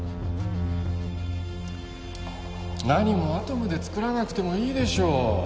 なにもアトムで作らなくてもいいでしょう